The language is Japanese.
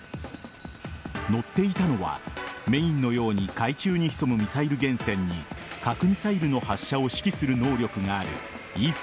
乗っていたのは「メイン」のように海中に潜むミサイル原潜に核ミサイルの発射を指揮する能力があるＥ‐４